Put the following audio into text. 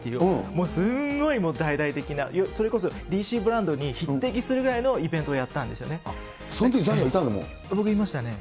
もうすんごい大々的な、それこそＤＣブランドに匹敵するぐらいのイベントをやったんですそんときザニーはいたんだ、僕、いましたね。